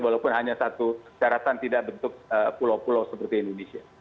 walaupun hanya satu syaratan tidak bentuk pulau pulau seperti indonesia